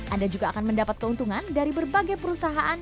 anda juga akan mendapat keuntungan dari berbagai perusahaan